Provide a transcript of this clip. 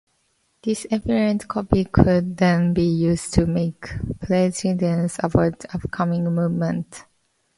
This "efferent" copy could then be used to make predictions about upcoming movements.